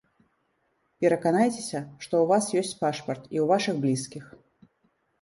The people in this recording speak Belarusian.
Пераканайцеся, што ў вас ёсць пашпарт і ў вашых блізкіх.